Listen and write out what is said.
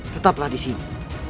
tetaplah di sini